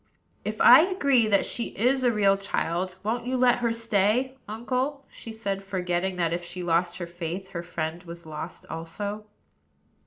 "If I agree that she is a real child, won't you let her stay, uncle?" she said, forgetting that, if she lost her faith, her friend was lost also.